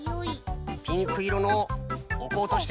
ピンクいろのをおこうとしている。